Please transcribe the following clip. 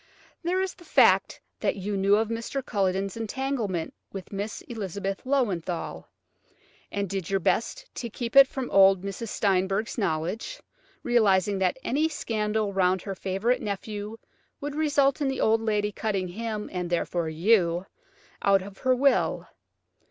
There is the fact that you knew of Mr. Culledon's entanglement with Miss Elizabeth Löwenthal, and did your best to keep it from old Mrs. Steinberg's knowledge, realising that any scandal round her favourite nephew would result in the old lady cutting him–and therefore you–out of her will.